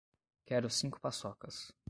Quero cinco paçocas